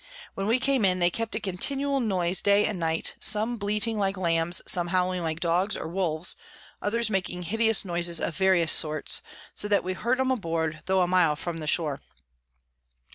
When we came in, they kept a continual noise day and night, some bleeting like Lambs, some howling like Dogs or Wolves, others making hideous noises of various sorts; so that we heard 'em aboard, tho a mile from the Shore.